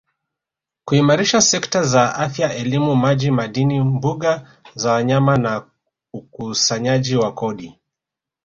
kuimarisha sekta za Afya elimu maji madini mbuga za wanyama na ukusanyaji wa kodi